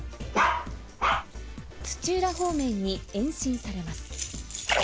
土浦方面に延伸されます。